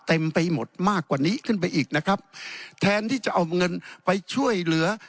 ไปหมดมากกว่านี้ขึ้นไปอีกนะครับแทนที่จะเอาเงินไปช่วยเหลือ